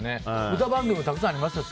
歌番組たくさんありましたし。